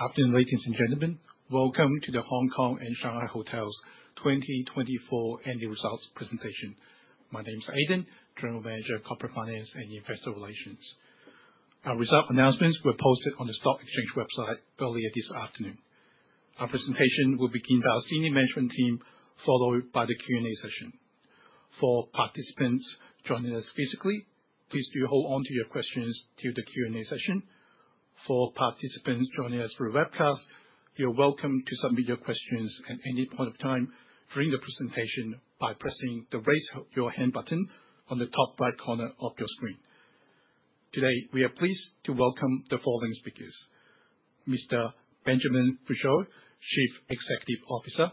afternoon, ladies and gentlemen. Welcome to The Hong Kong and Shanghai Hotels 2024 Annual Results Presentation. My name is Aiden, General Manager, Corporate Finance and Investor Relations. Our result announcements were posted on the stock exchange website earlier this afternoon. Our presentation will begin by our Senior Management Team, followed by the Q&A session. For participants joining us physically, please do hold on to your questions till the Q&A session. For participants joining us through webcast, you're welcome to submit your questions at any point of time during the presentation by pressing the Raise Your Hand button on the top right corner of your screen. Today, we are pleased to welcome the following speakers: Mr. Benjamin Vuchot, Chief Executive Officer.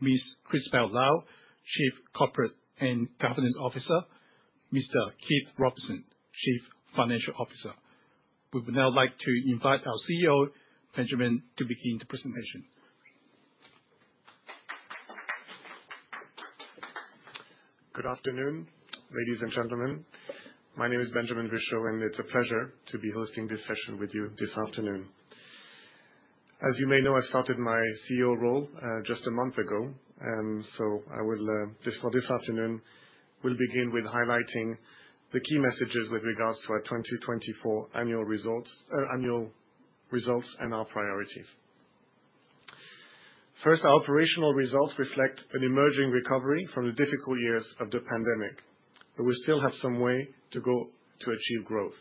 Ms. Christobelle Liao, Chief Corporate and Governance Officer. Mr. Keith Robinson, Chief Financial Officer. We would now like to invite our CEO, Benjamin, to begin the presentation. Good afternoon, ladies and gentlemen. My name is Benjamin Vuchot, and it's a pleasure to be hosting this session with you this afternoon. As you may know, I started my CEO role just a month ago, and so I will, for this afternoon, we'll begin with highlighting the key messages with regards to our 2024 annual results and our priorities. First, our operational results reflect an emerging recovery from the difficult years of the pandemic, but we still have some way to go to achieve growth.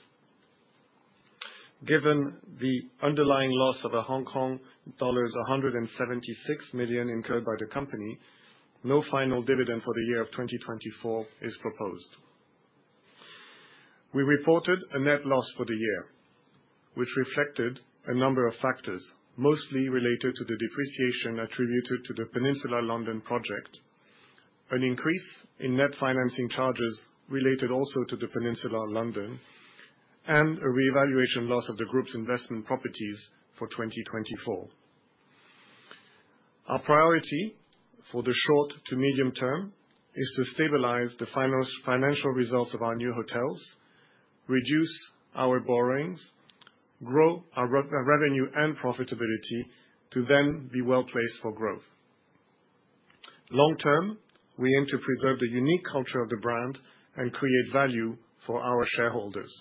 Given the underlying loss of Hong Kong dollars 176 million incurred by the company, no final dividend for the year of 2024 is proposed. We reported a net loss for the year, which reflected a number of factors, mostly related to the depreciation attributed to the Peninsula London project, an increase in net financing charges related also to the Peninsula London, and a revaluation loss of the group's investment properties for 2024. Our priority for the short to medium term is to stabilize the financial results of our new hotels, reduce our borrowings, grow our revenue and profitability to then be well placed for growth. Long term, we aim to preserve the unique culture of the brand and create value for our shareholders.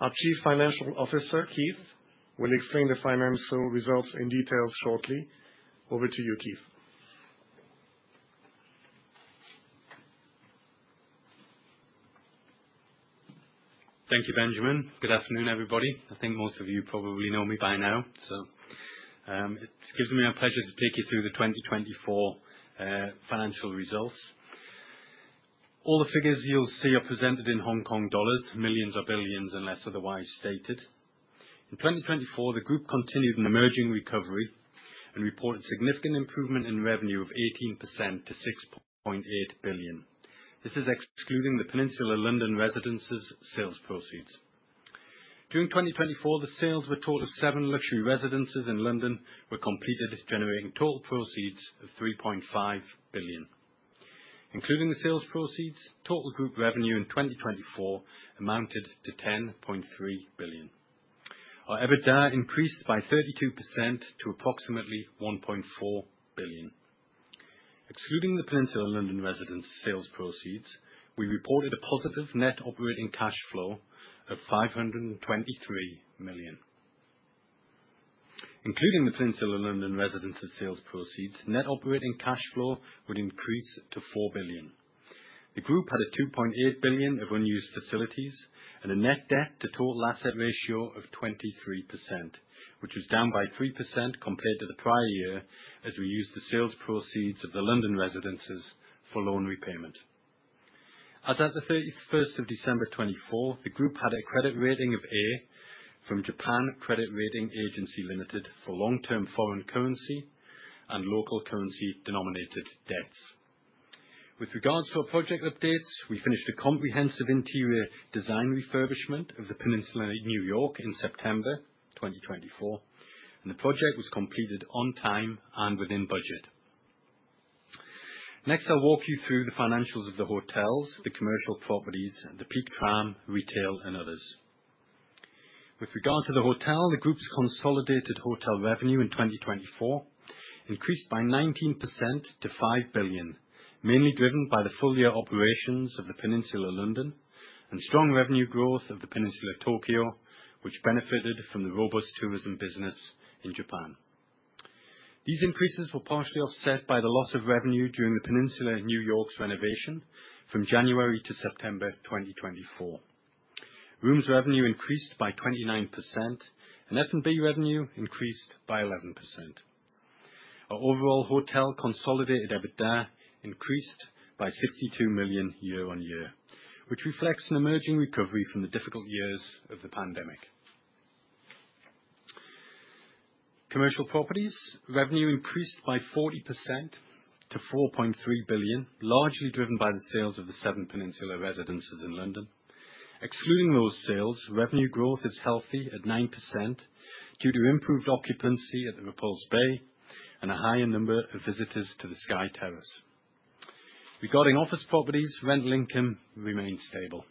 Our Chief Financial Officer, Keith, will explain the financial results in detail shortly. Over to you, Keith. Thank you, Benjamin. Good afternoon, everybody. I think most of you probably know me by now, so it gives me a pleasure to take you through the 2024 financial results. All the figures you'll see are presented in Hong Kong dollars, millions or billions, unless otherwise stated. In 2024, the group continued an emerging recovery and reported significant improvement in revenue of 18% to 6.8 billion. This is excluding The Peninsula London residences' sales proceeds. During 2024, the sales were total of seven luxury residences in London were completed, generating total proceeds of 3.5 billion. Including the sales proceeds, total group revenue in 2024 amounted to 10.3 billion. Our EBITDA increased by 32% to approximately 1.4 billion. Excluding The Peninsula London residences' sales proceeds, we reported a positive net operating cash flow of 523 million. Including the Peninsula London residences' sales proceeds, net operating cash flow would increase to $4 billion. The group had a $2.8 billion of unused facilities and a net debt to total asset ratio of 23%, which was down by 3% compared to the prior year as we used the sales proceeds of the London residences for loan repayment. As of the 31st of December 2024, the group had a credit rating of A from Japan Credit Rating Agency, Ltd. for long-term foreign currency and local currency-denominated debts. With regards to our project updates, we finished a comprehensive interior design refurbishment of the Peninsula New York in September 2024, and the project was completed on time and within budget. Next, I'll walk you through the financials of the hotels, the commercial properties, the Peak Tram, retail, and others. With regard to the hotel, the group's consolidated hotel revenue in 2024 increased by 19% to 5 billion, mainly driven by the full year operations of The Peninsula London and strong revenue growth of The Peninsula Tokyo, which benefited from the robust tourism business in Japan. These increases were partially offset by the loss of revenue during The Peninsula New York's renovation from January to September 2024. Rooms revenue increased by 29%, and F&B revenue increased by 11%. Our overall hotel consolidated EBITDA increased by 62 million year on year, which reflects an emerging recovery from the difficult years of the pandemic. Commercial properties revenue increased by 40% to 4.3 billion, largely driven by the sales of the seven Peninsula residences in London. Excluding those sales, revenue growth is healthy at 9% due to improved occupancy at The Repulse Bay and a higher number of visitors to the Sky Terrace. Regarding office properties, rental income remained stable.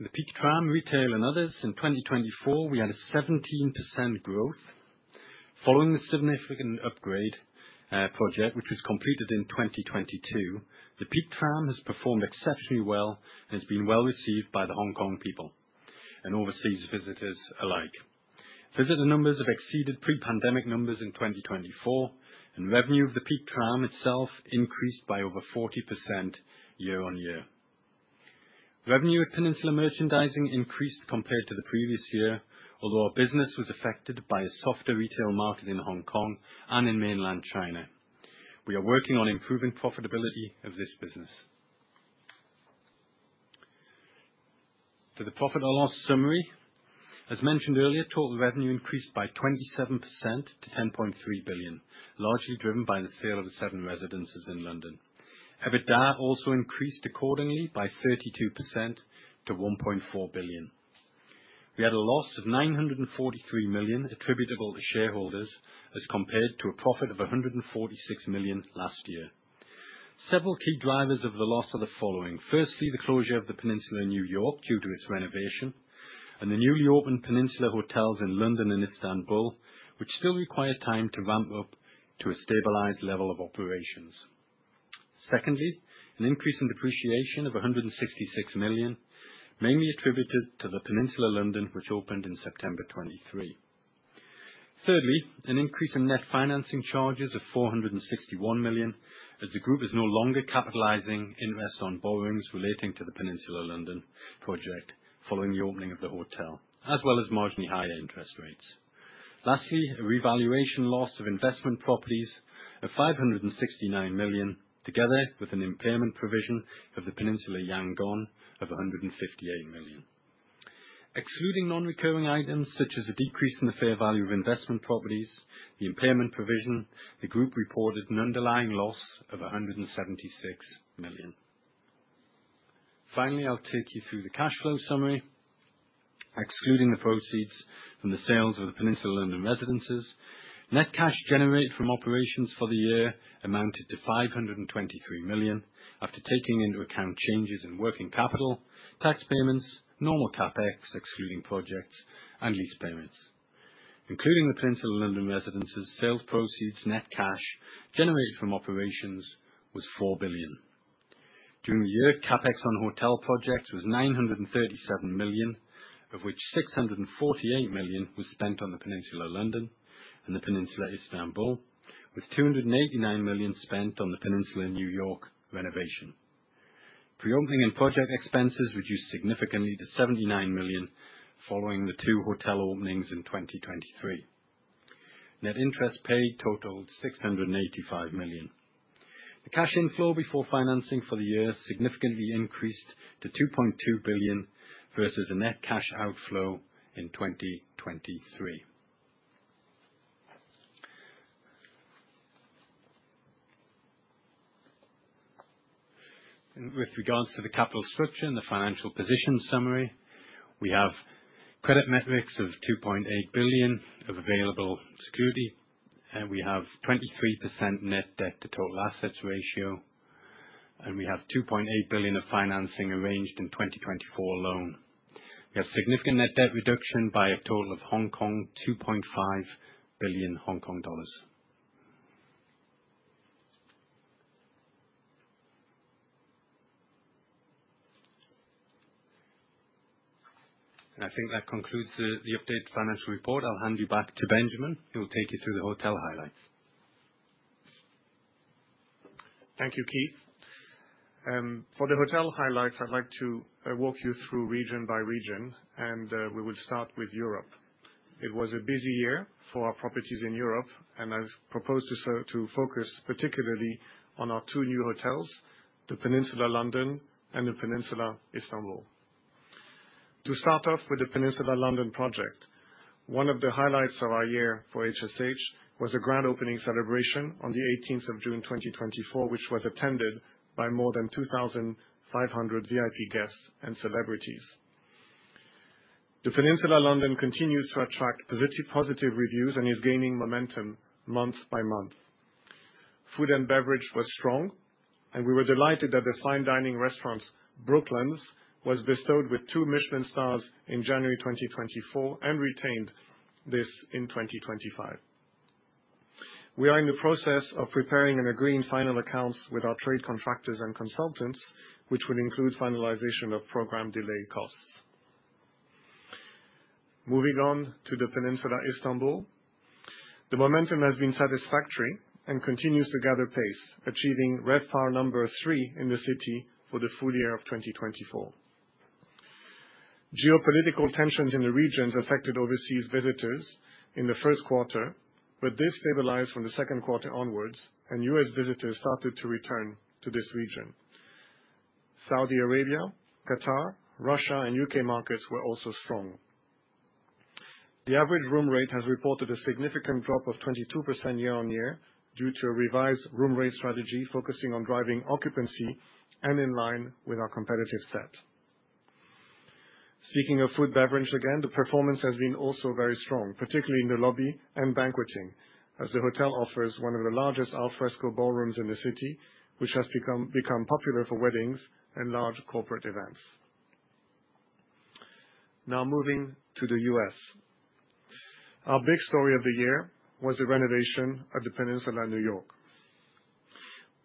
The Peak Tram, retail, and others in 2024, we had a 17% growth. Following the significant upgrade project, which was completed in 2022, the Peak Tram has performed exceptionally well and has been well received by the Hong Kong people and overseas visitors alike. Visitor numbers have exceeded pre-pandemic numbers in 2024, and revenue of the Peak Tram itself increased by over 40% year on year. Revenue at Peninsula Merchandising increased compared to the previous year, although our business was affected by a softer retail market in Hong Kong and in mainland China. We are working on improving profitability of this business. To the profit or loss summary, as mentioned earlier, total revenue increased by 27% to 10.3 billion, largely driven by the sale of the seven residences in London. EBITDA also increased accordingly by 32% to 1.4 billion. We had a loss of 943 million attributable to shareholders as compared to a profit of 146 million last year. Several key drivers of the loss are the following. Firstly, the closure of the Peninsula New York due to its renovation and the newly opened Peninsula Hotels in London and Istanbul, which still require time to ramp up to a stabilized level of operations. Secondly, an increase in depreciation of 166 million, mainly attributed to the Peninsula London, which opened in September 2023. Thirdly, an increase in net financing charges of 461 million as the group is no longer capitalizing interest on borrowings relating to the Peninsula London project following the opening of the hotel, as well as marginally higher interest rates. Lastly, a revaluation loss of investment properties of 569 million, together with an impairment provision of the Peninsula Yangon of 158 million. Excluding non-recurring items such as a decrease in the fair value of investment properties, the impairment provision, the group reported an underlying loss of 176 million. Finally, I'll take you through the cash flow summary. Excluding the proceeds from the sales of the Peninsula London residences, net cash generated from operations for the year amounted to 523 million after taking into account changes in working capital, tax payments, normal CapEx, excluding projects, and lease payments. Including the Peninsula London residences' sales proceeds, net cash generated from operations was 4 billion. During the year, CapEx on hotel projects was 937 million, of which 648 million was spent on the Peninsula London and the Peninsula Istanbul, with 289 million spent on the Peninsula New York renovation. Pre-opening and project expenses reduced significantly to 79 million following the two hotel openings in 2023. Net interest paid totaled 685 million. The cash inflow before financing for the year significantly increased to 2.2 billion versus a net cash outflow in 2023. With regards to the capital structure and the financial position summary, we have credit metrics of 2.8 billion of available security. We have a 23% net debt to total assets ratio, and we have 2.8 billion of financing arranged in 2024 alone. We have significant net debt reduction by a total of 2.5 billion Hong Kong dollars. And I think that concludes the updated financial report. I'll hand you back to Benjamin. He'll take you through the hotel highlights. Thank you, Keith. For the hotel highlights, I'd like to walk you through region by region, and we will start with Europe. It was a busy year for our properties in Europe, and I've proposed to focus particularly on our two new hotels, the Peninsula London and the Peninsula Istanbul. To start off with the Peninsula London project, one of the highlights of our year for HSH was a grand opening celebration on the 18th of June 2024, which was attended by more than 2,500 VIP guests and celebrities. The Peninsula London continues to attract positive reviews and is gaining momentum month by month. Food and beverage was strong, and we were delighted that the fine dining restaurant Brooklands was bestowed with two Michelin stars in January 2024 and retained this in 2025. We are in the process of preparing and agreeing final accounts with our trade contractors and consultants, which will include finalization of program delay costs. Moving on to the Peninsula Istanbul, the momentum has been satisfactory and continues to gather pace, achieving RevPAR number three in the city for the full year of 2024. Geopolitical tensions in the regions affected overseas visitors in the first quarter, but this stabilized from the second quarter onwards, and US visitors started to return to this region. Saudi Arabia, Qatar, Russia, and UK markets were also strong. The average room rate has reported a significant drop of 22% year on year due to a revised room rate strategy focusing on driving occupancy and in line with our competitive set. Speaking of food and beverage again, the performance has been also very strong, particularly in the lobby and banqueting, as the hotel offers one of the largest al fresco ballrooms in the city, which has become popular for weddings and large corporate events. Now moving to the U.S. Our big story of the year was the renovation of the Peninsula New York.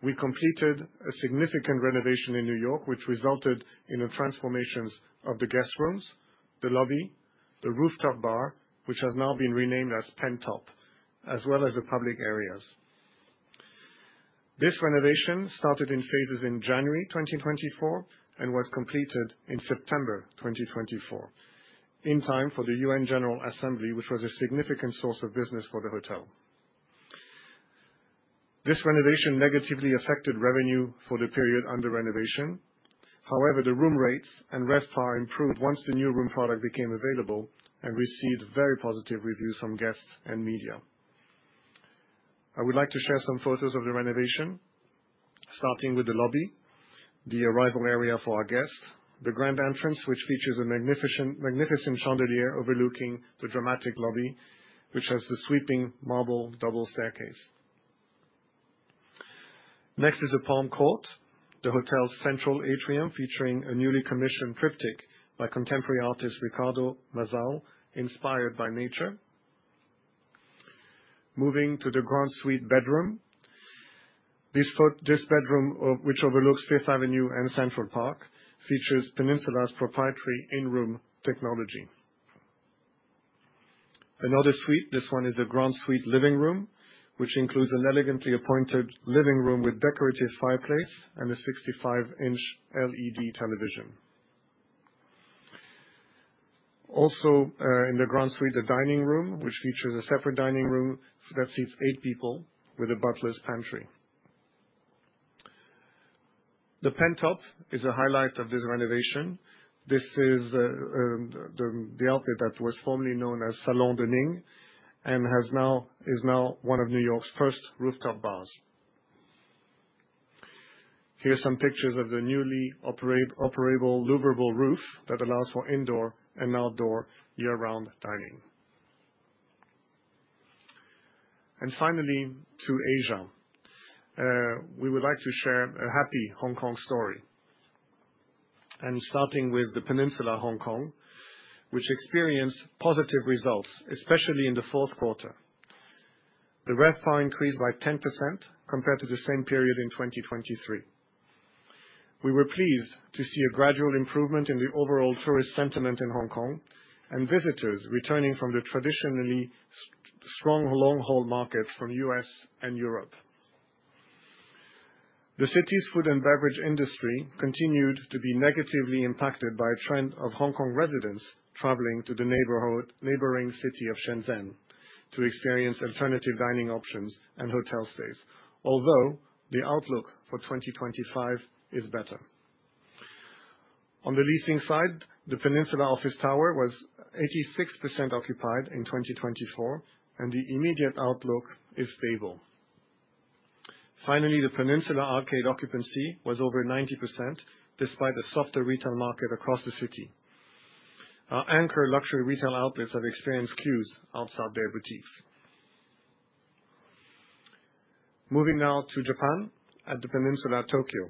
We completed a significant renovation in New York, which resulted in transformations of the guest rooms, the lobby, the rooftop bar, which has now been renamed as Pen Top, as well as the public areas. This renovation started in phases in January 2024 and was completed in September 2024, in time for the UN General Assembly, which was a significant source of business for the hotel. This renovation negatively affected revenue for the period under renovation. However, the room rates and RevPAR improved once the new room product became available and received very positive reviews from guests and media. I would like to share some photos of the renovation, starting with the lobby, the arrival area for our guests, the grand entrance, which features a magnificent chandelier overlooking the dramatic lobby, which has the sweeping marble double staircase. Next is the Palm Court, the hotel's central atrium featuring a newly commissioned triptych by contemporary artist Ricardo Mazal, inspired by nature. Moving to the Grand Suite bedroom. This bedroom, which overlooks Fifth Avenue and Central Park, features Peninsula's proprietary in-room technology. Another suite, this one is a Grand Suite living room, which includes an elegantly appointed living room with decorative fireplace and a 65-inch LED television. Also in the Grand Suite, the dining room, which features a separate dining room that seats eight people with a butler's pantry. The Pentop is a highlight of this renovation. This is the rooftop that was formerly known as Salon de Ning and is now one of New York's first rooftop bars. Here are some pictures of the newly operable louvered roof that allows for indoor and outdoor year-round dining. And finally, to Asia. We would like to share a happy Hong Kong story. And starting with the Peninsula Hong Kong, which experienced positive results, especially in the fourth quarter. The RevPAR increased by 10% compared to the same period in 2023. We were pleased to see a gradual improvement in the overall tourist sentiment in Hong Kong and visitors returning from the traditionally strong long-haul markets from the U.S. and Europe. The city's food and beverage industry continued to be negatively impacted by a trend of Hong Kong residents traveling to the neighboring city of Shenzhen to experience alternative dining options and hotel stays, although the outlook for 2025 is better. On the leasing side, the Peninsula Office Tower was 86% occupied in 2024, and the immediate outlook is stable. Finally, the Peninsula Arcade occupancy was over 90% despite a softer retail market across the city. Our anchor luxury retail outlets have experienced queues outside their boutiques. Moving now to Japan at the Peninsula Tokyo.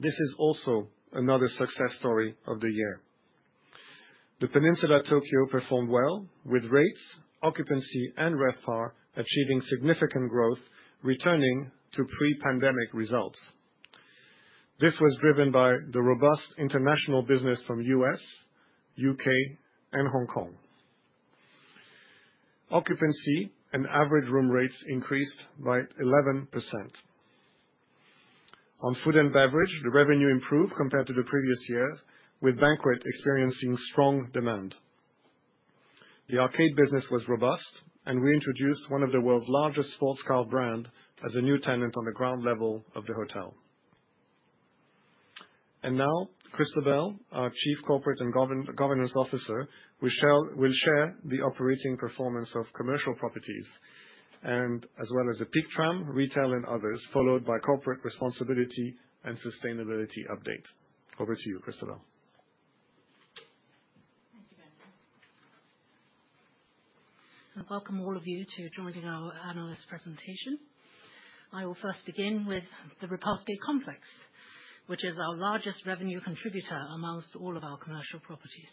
This is also another success story of the year. The Peninsula Tokyo performed well, with rates, occupancy, and RevPAR achieving significant growth, returning to pre-pandemic results. This was driven by the robust international business from the U.S., U.K., and Hong Kong. Occupancy and average room rates increased by 11%. On food and beverage, the revenue improved compared to the previous year, with banquet experiencing strong demand. The arcade business was robust, and we introduced one of the world's largest sports car brands as a new tenant on the ground level of the hotel. And now, Christobelle Liao, our Chief Corporate and Governance Officer, will share the operating performance of commercial properties, as well as The Peak Tram, retail, and others, followed by corporate responsibility and sustainability update. Over to you, Christobelle Liao. Thank you, Benjamin. Welcome all of you to joining our analyst presentation. I will first begin with the Repulse Bay complex, which is our largest revenue contributor among all of our commercial properties.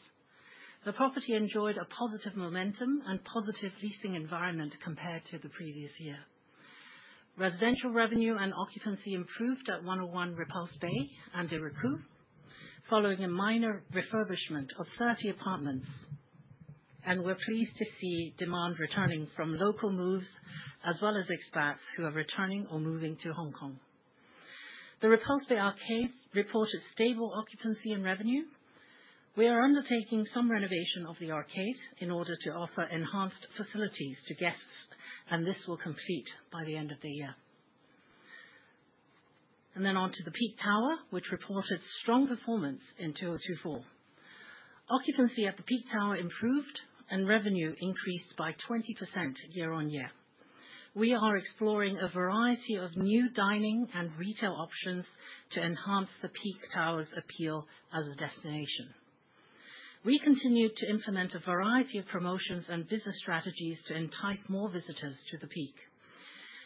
The property enjoyed a positive momentum and positive leasing environment compared to the previous year. Residential revenue and occupancy improved at 101 Repulse Bay and De Ricou, following a minor refurbishment of 30 apartments, and we're pleased to see demand returning from local moves as well as expats who are returning or moving to Hong Kong. The Repulse Bay Arcade reported stable occupancy and revenue. We are undertaking some renovation of the arcade in order to offer enhanced facilities to guests, and this will complete by the end of the year. And then on to The Peak Tower, which reported strong performance in 2024. Occupancy at The Peak Tower improved, and revenue increased by 20% year-on-year. We are exploring a variety of new dining and retail options to enhance The Peak Tower's appeal as a destination. We continued to implement a variety of promotions and business strategies to entice more visitors to The Peak.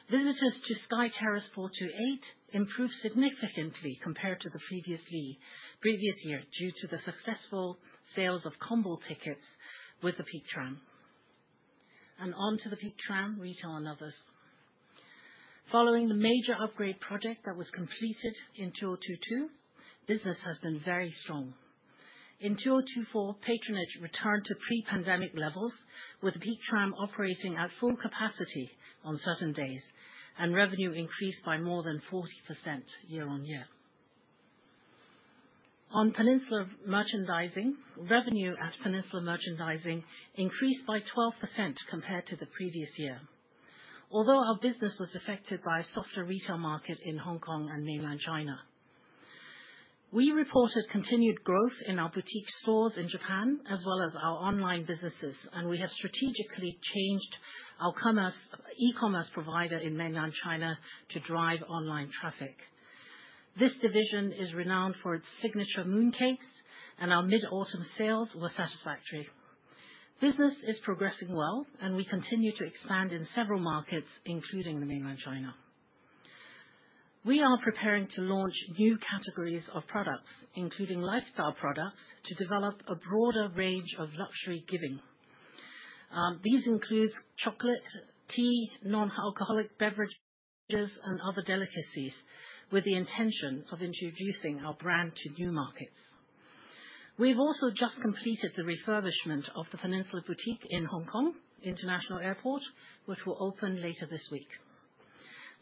Visitors to Sky Terrace 428 improved significantly compared to the previous year due to the successful sales of combo tickets with The Peak Tram, and on to The Peak Tram, retail, and others. Following the major upgrade project that was completed in 2022, business has been very strong. In 2024, patronage returned to pre-pandemic levels, with The Peak Tram operating at full capacity on certain days, and revenue increased by more than 40% year-on-year. On Peninsula Merchandising, revenue at Peninsula Merchandising increased by 12% compared to the previous year, although our business was affected by a softer retail market in Hong Kong and Mainland China. We reported continued growth in our boutique stores in Japan, as well as our online businesses, and we have strategically changed our e-commerce provider in mainland China to drive online traffic. This division is renowned for its signature mooncakes, and our mid-autumn sales were satisfactory. Business is progressing well, and we continue to expand in several markets, including mainland China. We are preparing to launch new categories of products, including lifestyle products, to develop a broader range of luxury giving. These include chocolate, tea, non-alcoholic beverages, and other delicacies, with the intention of introducing our brand to new markets. We've also just completed the refurbishment of the Peninsula Boutique in Hong Kong International Airport, which will open later this week.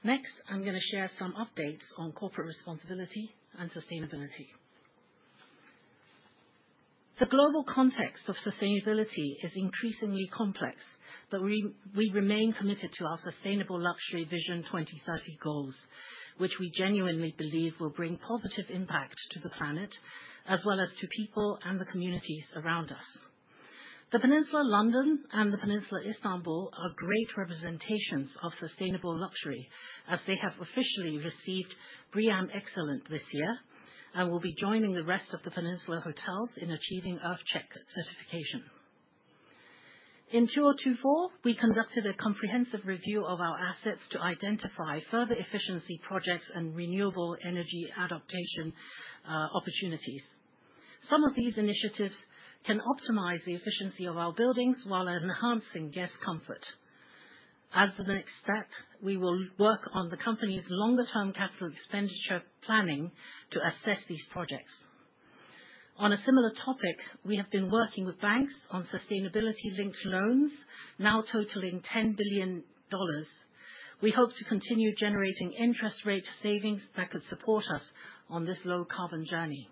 Next, I'm going to share some updates on corporate responsibility and sustainability. The global context of sustainability is increasingly complex, but we remain committed to our Sustainable Luxury Vision 2030 goals, which we genuinely believe will bring positive impact to the planet, as well as to people and the communities around us. The Peninsula London and The Peninsula Istanbul are great representations of sustainable luxury, as they have officially received BREEAM Excellent this year and will be joining the rest of the Peninsula hotels in achieving EarthCheck certification. In 2024, we conducted a comprehensive review of our assets to identify further efficiency projects and renewable energy adaptation opportunities. Some of these initiatives can optimize the efficiency of our buildings while enhancing guest comfort. As the next step, we will work on the company's longer-term capital expenditure planning to assess these projects. On a similar topic, we have been working with banks on sustainability-linked loans, now totaling 10 billion dollars. We hope to continue generating interest rate savings that could support us on this low-carbon journey.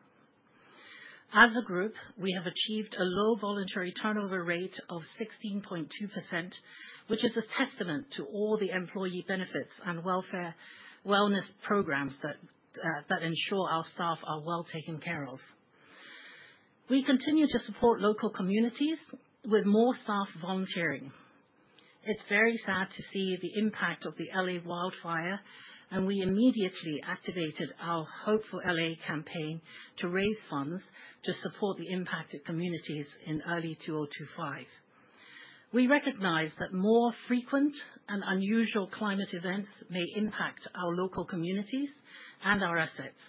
As a group, we have achieved a low voluntary turnover rate of 16.2%, which is a testament to all the employee benefits and wellness programs that ensure our staff are well taken care of. We continue to support local communities with more staff volunteering. It's very sad to see the impact of the LA wildfire, and we immediately activated our Hope for LA campaign to raise funds to support the impacted communities in early 2025. We recognize that more frequent and unusual climate events may impact our local communities and our assets,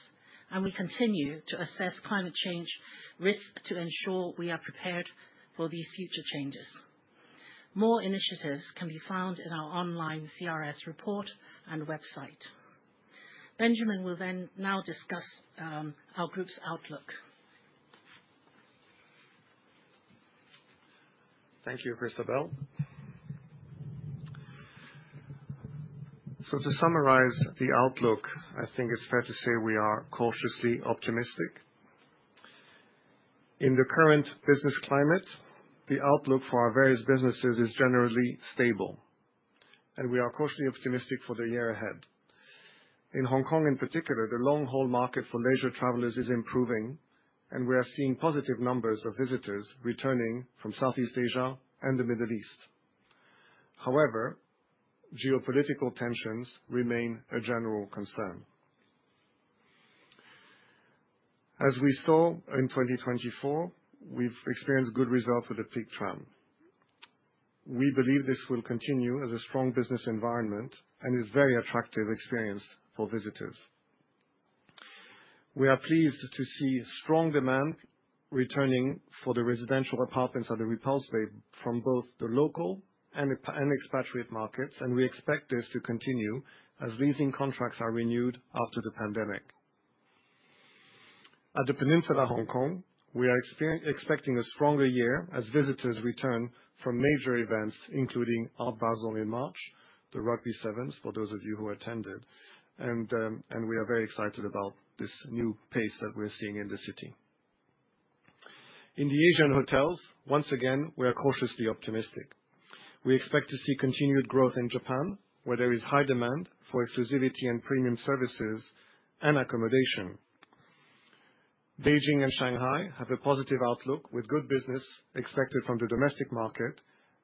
and we continue to assess climate change risks to ensure we are prepared for these future changes. More initiatives can be found in our online CRS report and website. Benjamin will then now discuss our group's outlook. Thank you, Christobelle Liao. So to summarize the outlook, I think it's fair to say we are cautiously optimistic. In the current business climate, the outlook for our various businesses is generally stable, and we are cautiously optimistic for the year ahead. In Hong Kong, in particular, the long-haul market for leisure travelers is improving, and we are seeing positive numbers of visitors returning from Southeast Asia and the Middle East. However, geopolitical tensions remain a general concern. As we saw in 2024, we've experienced good results with the Peak Tram. We believe this will continue as a strong business environment and is a very attractive experience for visitors. We are pleased to see strong demand returning for the residential apartments at the Repulse Bay from both the local and expatriate markets, and we expect this to continue as leasing contracts are renewed after the pandemic. At The Peninsula Hong Kong, we are expecting a stronger year as visitors return from major events, including Art Basel in March, the Rugby Sevens, for those of you who attended, and we are very excited about this new pace that we're seeing in the city. In the Asian hotels, once again, we are cautiously optimistic. We expect to see continued growth in Japan, where there is high demand for exclusivity and premium services and accommodation. Beijing and Shanghai have a positive outlook, with good business expected from the domestic market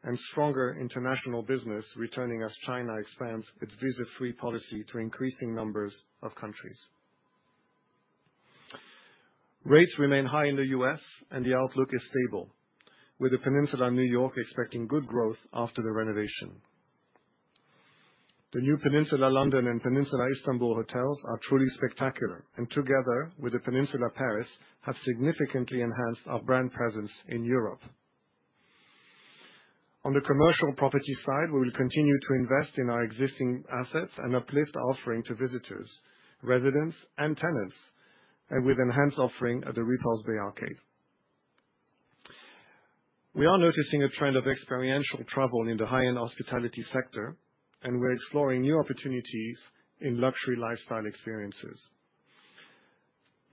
and stronger international business returning as China expands its visa-free policy to increasing numbers of countries. Rates remain high in the U.S., and the outlook is stable, with The Peninsula New York expecting good growth after the renovation. The new Peninsula London and Peninsula Istanbul hotels are truly spectacular, and together with the Peninsula Paris, have significantly enhanced our brand presence in Europe. On the commercial property side, we will continue to invest in our existing assets and uplift our offering to visitors, residents, and tenants, with enhanced offering at the Repulse Bay Arcade. We are noticing a trend of experiential travel in the high-end hospitality sector, and we're exploring new opportunities in luxury lifestyle experiences.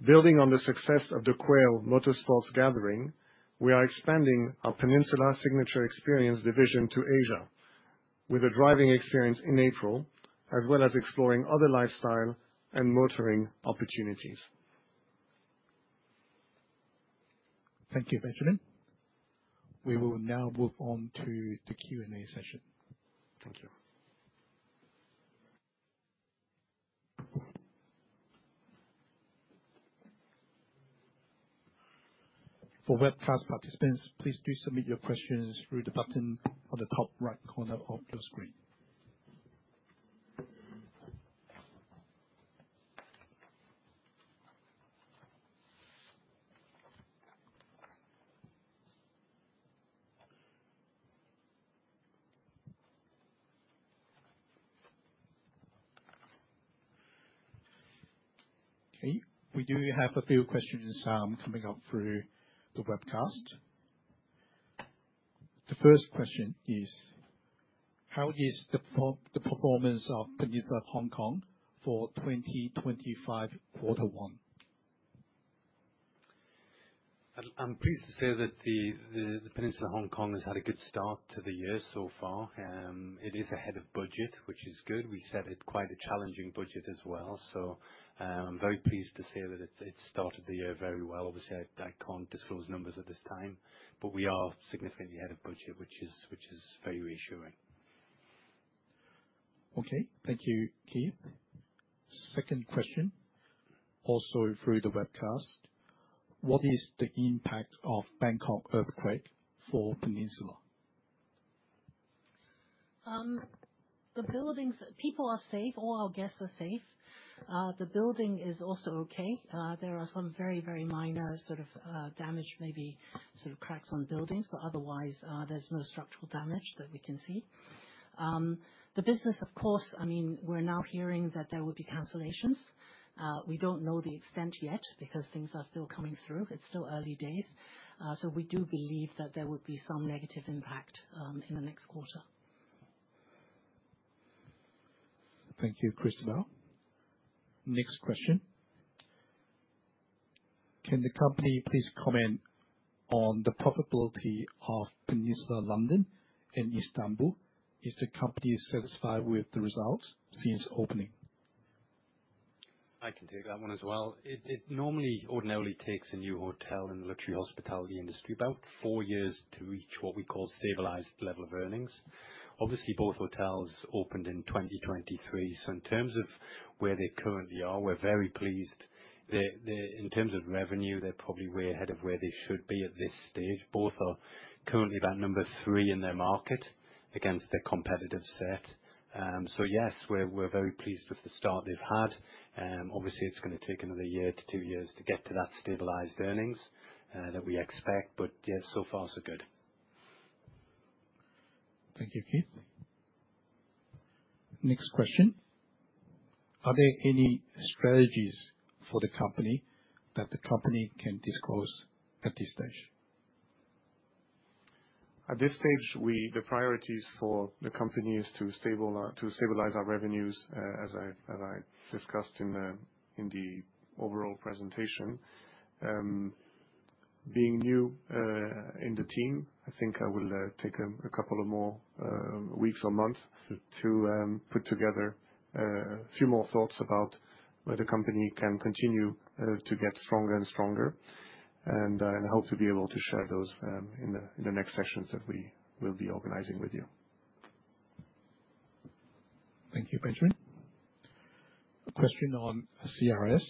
Building on the success of the Quail Motorsports Gathering, we are expanding our Peninsula Signature Events division to Asia, with a driving experience in April, as well as exploring other lifestyle and motoring opportunities. Thank you, Benjamin. We will now move on to the Q&A session. Thank you. For webcast participants, please do submit your questions through the button on the top right corner of your screen. Okay, we do have a few questions coming up through the webcast. The first question is, how is the performance of Peninsula Hong Kong for 2025 Quarter One? I'm pleased to say that the Peninsula Hong Kong has had a good start to the year so far. It is ahead of budget, which is good. We set quite a challenging budget as well. So I'm very pleased to say that it started the year very well. Obviously, I can't disclose numbers at this time, but we are significantly ahead of budget, which is very reassuring. Okay, thank you, Keith. Second question, also through the webcast, what is the impact of the Bangkok earthquake for Peninsula? The buildings, people are safe. All our guests are safe. The building is also okay. There are some very, very minor sort of damage, maybe sort of cracks on buildings, but otherwise, there's no structural damage that we can see. The business, of course, I mean, we're now hearing that there will be cancellations. We don't know the extent yet because things are still coming through. It's still early days. So we do believe that there would be some negative impact in the next quarter. Thank you, Christobelle Liao. Next question. Can the company please comment on the profitability of Peninsula London and Istanbul? Is the company satisfied with the results since opening? I can take that one as well. It normally, ordinarily takes a new hotel in the luxury hospitality industry about four years to reach what we call stabilized level of earnings. Obviously, both hotels opened in 2023. So in terms of where they currently are, we're very pleased. In terms of revenue, they're probably way ahead of where they should be at this stage. Both are currently about number three in their market against their competitive set. So yes, we're very pleased with the start they've had. Obviously, it's going to take another year to two years to get to that stabilized earnings that we expect, but yes, so far so good. Thank you, Keith. Next question. Are there any strategies for the company that the company can disclose at this stage? At this stage, the priorities for the company is to stabilize our revenues, as I discussed in the overall presentation. Being new in the team, I think I will take a couple of more weeks or months to put together a few more thoughts about where the company can continue to get stronger and stronger, and I hope to be able to share those in the next sessions that we will be organizing with you. Thank you, Benjamin. A question on CRS.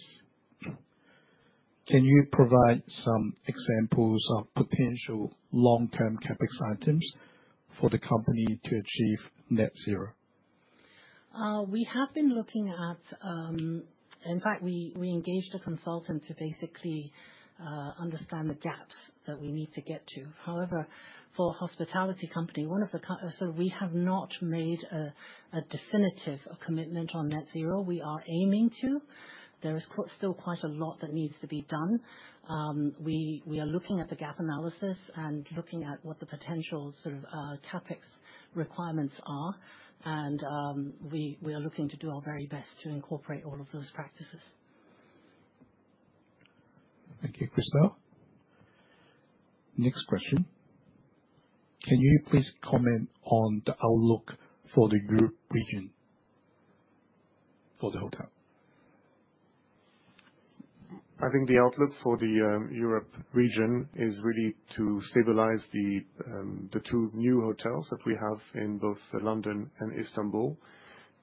Can you provide some examples of potential long-term CapEx items for the company to achieve net zero? We have been looking at. In fact, we engaged a consultant to basically understand the gaps that we need to get to. However, for a hospitality company, one of the kinds of so we have not made a definitive commitment on net zero. We are aiming to. There is still quite a lot that needs to be done. We are looking at the gap analysis and looking at what the potential sort of CapEx requirements are. And we are looking to do our very best to incorporate all of those practices. Thank you, Christobelle Liao. Next question. Can you please comment on the outlook for the Europe region for the hotel? I think the outlook for the Europe region is really to stabilize the two new hotels that we have in both London and Istanbul.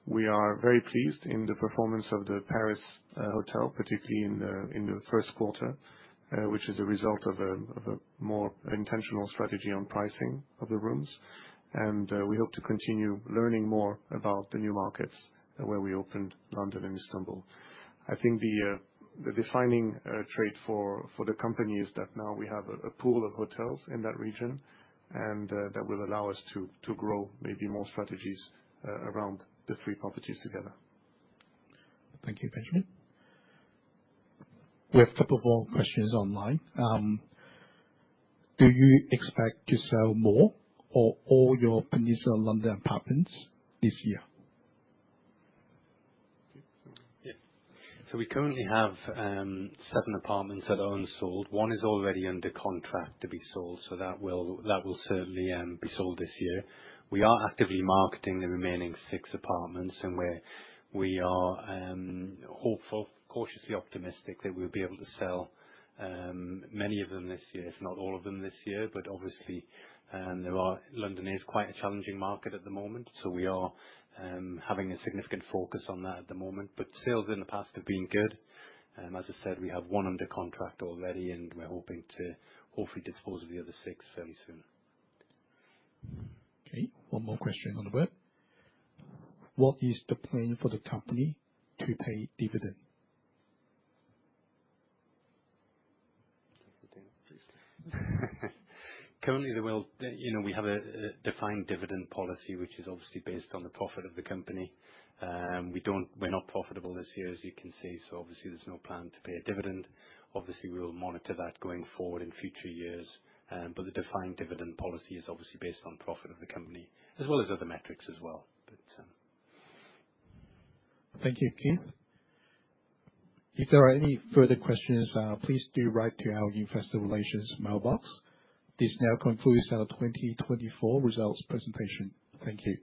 We are very pleased in the performance of the Paris hotel, particularly in the first quarter, which is a result of a more intentional strategy on pricing of the rooms, and we hope to continue learning more about the new markets where we opened London and Istanbul. I think the defining trait for the company is that now we have a pool of hotels in that region and that will allow us to grow maybe more strategies around the three properties together. Thank you, Benjamin. We have a couple more questions online. Do you expect to sell more or all your Peninsula London apartments this year? Yes. So we currently have seven apartments that are unsold. One is already under contract to be sold, so that will certainly be sold this year. We are actively marketing the remaining six apartments, and we are hopeful, cautiously optimistic that we'll be able to sell many of them this year, if not all of them this year. But obviously, London is quite a challenging market at the moment, so we are having a significant focus on that at the moment. But sales in the past have been good. As I said, we have one under contract already, and we're hoping to hopefully dispose of the other six fairly soon. Okay. One more question on the web. What is the plan for the company to pay dividend? Currently, we have a defined dividend policy, which is obviously based on the profit of the company. We're not profitable this year, as you can see, so obviously, there's no plan to pay a dividend. Obviously, we will monitor that going forward in future years. But the defined dividend policy is obviously based on profit of the company, as well as other metrics as well. Thank you, Keith. If there are any further questions, please do write to our investor relations mailbox. This now concludes our 2024 results presentation. Thank you.